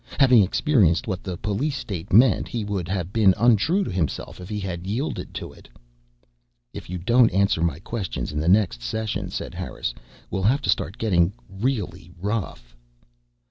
Having experienced what the police state meant, he would have been untrue to himself if he had yielded to it. "If you don't answer my questions in the next session," said Harris, "we'll have to start getting really rough."